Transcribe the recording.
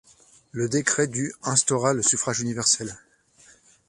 Le décret du instaura le suffrage universel.